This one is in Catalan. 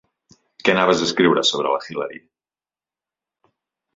Què anaves a escriure sobre la Hillary?